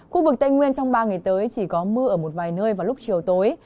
khu vực tây nguyên trong ba ngày tới chỉ có mưa ở một vài nơi vào lúc chiều tối